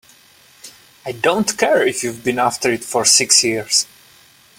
I don't care if you've been after it for six years!